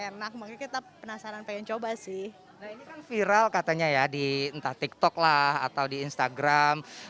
enak makanya kita penasaran pengen coba sih nah ini kan viral katanya ya di entah tiktok lah atau di instagram